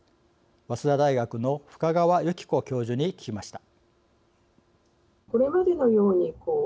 早稲田大学の深川由起子教授に聞きました。